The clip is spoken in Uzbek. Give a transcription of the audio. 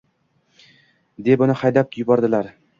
Deb uni haydab yuboribdilar